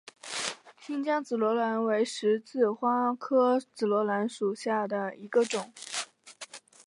新疆紫罗兰为十字花科紫罗兰属下的一个种。